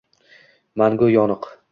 Mangu yoniq